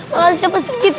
makasih pasik ginti